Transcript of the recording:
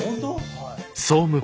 はい。